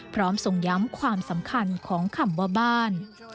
ทรงย้ำความสำคัญของคำว่าบ้าน